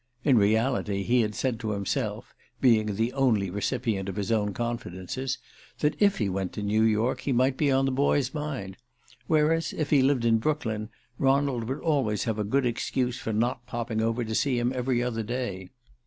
In reality he had said to himself being the only recipient of his own confidences that if he went to New York he might be on the boy's mind; whereas, if he lived in Brooklyn, Ronald would always have a good excuse for not popping over to see him every other day.